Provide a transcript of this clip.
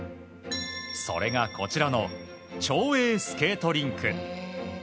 それが、こちらの町営スケートリンク。